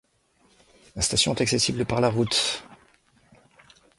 La station est accessible par la route.